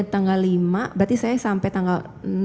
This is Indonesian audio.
tanggal lima berarti saya sampai tanggal